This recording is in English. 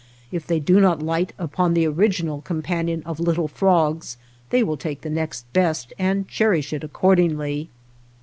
If they do not light upon the original com panion of little frogs they will take the next best and cherish it accordingly.